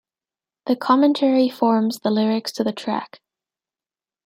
The commentary forms the lyrics to the track.